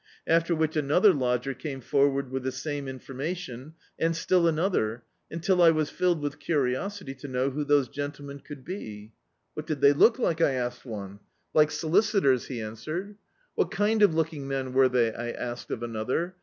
After which another lodger came forward with the same information, and still another, until I was filled with curiosity to know who those gentlemen could be. "What did they look like?" I asked one. "like solicitors," he answered. "What kind of looking men were they?" I asked of another.